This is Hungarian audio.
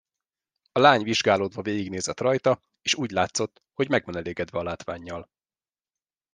A lány vizsgálódva végignézett rajta, és úgy látszott, hogy meg van elégedve a látvánnyal.